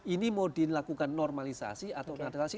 ini mau dilakukan normalisasi atau narasi